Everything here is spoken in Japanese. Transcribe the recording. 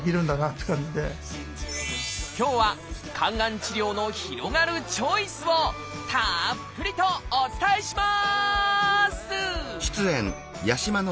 今日は肝がん治療の広がるチョイスをたっぷりとお伝えします！